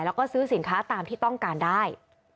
แล้วก็ซื้อสินค้าตามที่ต้องการได้